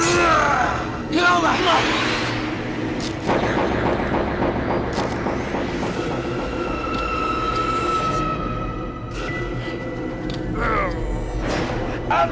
ayo kita cari lagi dia mas